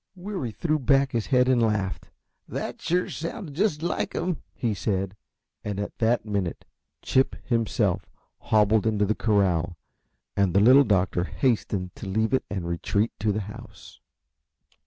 Weary threw back his head and laughed. "That sure sounds just like him," he said, and at that minute Chip himself hobbled into the corral, and the Little Doctor hastened to leave it and retreat to the house.